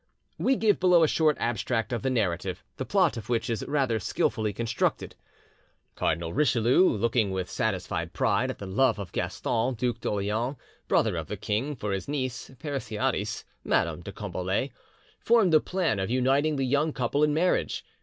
We give below a short abstract of the narrative, the plot of which is rather skilfully constructed:— "Cardinal Richelieu, looking with satisfied pride at the love of Gaston, Duc d'Orleans, brother of the king, for his niece Parisiatis (Madame de Combalet), formed the plan of uniting the young couple in marriage.